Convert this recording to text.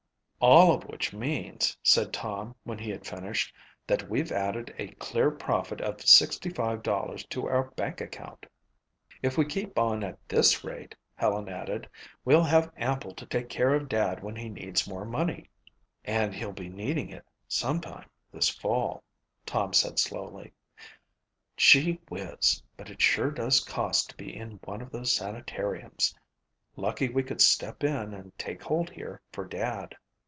"All of which means," said Tom when he had finished, "that we've added a clear profit of $65 to our bank account." "If we keep on at this rate," Helen added, "we'll have ample to take care of Dad when he needs more money." "And he'll be needing it sometime this fall," Tom said slowly. "Gee whizz, but it sure does cost to be in one of those sanitariums. Lucky we could step in and take hold here for Dad."